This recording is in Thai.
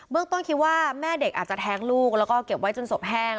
ต้นคิดว่าแม่เด็กอาจจะแท้งลูกแล้วก็เก็บไว้จนศพแห้ง